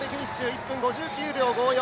１分５９秒５４。